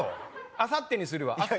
あさってにするわいや